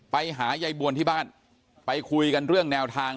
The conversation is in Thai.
ไปหายายบวนที่บ้านไปคุยกันเรื่องแนวทาง